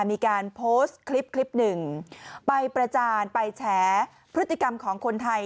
มีการโพสต์คลิปคลิปหนึ่งไปประจานไปแฉพฤติกรรมของคนไทย